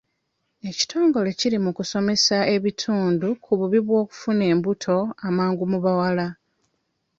Ekitongole kiri mu kusomesa ebitundu ku bubi bw'okufuna embuto amangu mu bawala.